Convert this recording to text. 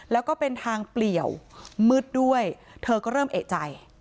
แล้วก็เป็นทางเปลี่ยวมืดด้วยเธอก็เริ่มเอกใจ